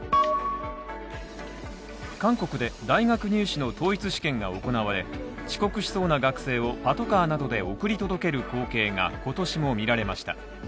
韓国で大学入試の統一試験が行われ、遅刻しそうな学生をパトカーなどで送り届ける光景が今年も見られました。